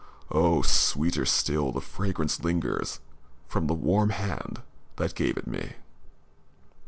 Oh! sweeter still the fragrance lingers From the warm hand that gave it me.